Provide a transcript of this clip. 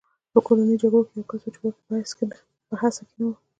په کورنیو جګړو کې یو کس و چې واک په هڅه کې نه و